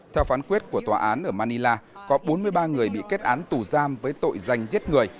theo phán quyết của tòa án ở manila có bốn mươi ba người bị kết án tù giam với tội danh giết người